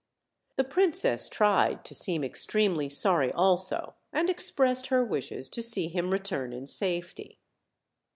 The princess tried to seem extremely sorry also, and expressed her wishes to see him return in safety.